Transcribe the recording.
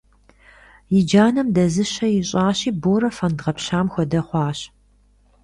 И джанэм дэзыщэ ищӏащи, Борэ фэнд гъэпщам хуэдэ хъуащ.